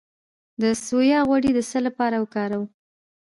د سویا غوړي د څه لپاره وکاروم؟